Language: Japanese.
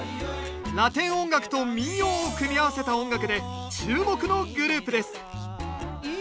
ラテン音楽と民謡を組み合わせた音楽で注目のグループです